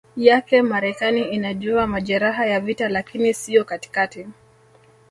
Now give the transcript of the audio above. yake Marekani inajua majeraha ya vita lakini sio katikati